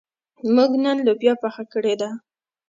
موږ نن لوبیا پخه کړې ده.